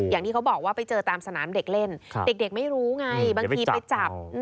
อย่างที่เขาบอกว่าไปเจอตามสนามเด็กเล่นเด็กไม่รู้ไงบางทีไปจับ